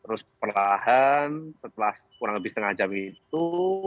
terus perlahan setelah kurang lebih setengah jam itu